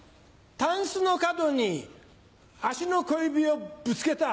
タンスの角に足の小指をぶつけた。